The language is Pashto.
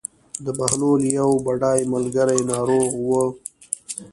د بهلول یو بډای ملګری ناروغ و.